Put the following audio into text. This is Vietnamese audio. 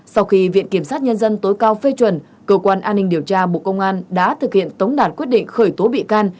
sau khi viện kiểm sát nhân dân tối cao phê chuẩn cơ quan an ninh điều tra bộ công an đã thực hiện tống đạt quyết định khởi tố bị can